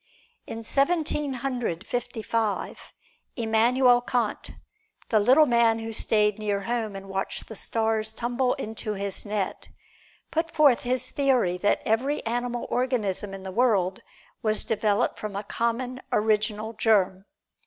In Seventeen Hundred Fifty five, Immanuel Kant, the little man who stayed near home and watched the stars tumble into his net, put forth his theory that every animal organism in the world was developed from a common original germ.